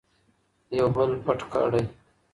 یو بل پټ کړئ.